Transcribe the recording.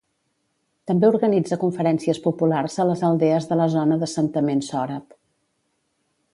També organitza conferències populars a les aldees de la zona d'assentament sòrab.